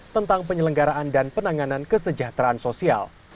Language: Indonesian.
tentang penyelenggaraan dan penanganan kesejahteraan sosial